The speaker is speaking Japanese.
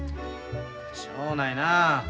しょうないな。